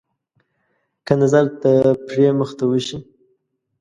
که نظر د پري مخ ته وشي.